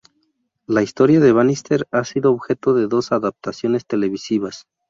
La historia de Bannister ha sido objeto de dos adaptaciones televisivas.